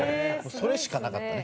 それしかなかったね。